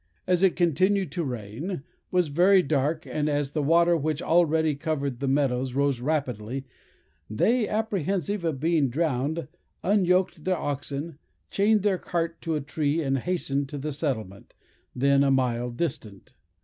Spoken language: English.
As it continued to rain, was very dark, and as the water, which already covered the meadows, rose rapidly, they, apprehensive of being drowned, unyoked their oxen, chained their cart to a tree, and hastened to the settlement, then a mile distant.